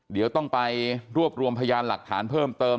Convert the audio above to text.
เดี๋ยวต้องไปรวบรวมพยานหลักฐานเพิ่มเติม